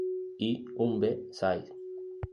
Y un B-sides.